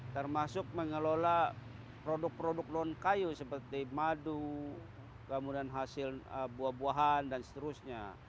termasuk mengelola produk produk non kayu seperti madu kemudian hasil buah buahan dan seterusnya